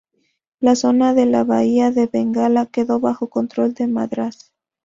La zona de la bahía de Bengala quedó bajo control de Madrás.